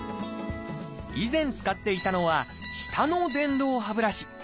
以前使っていたのは下の電動歯ブラシ。